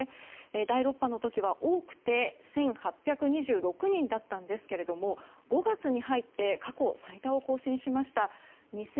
第６波の時は多くて１８２６人だったんですけれども５月に入って過去最多を更新しました。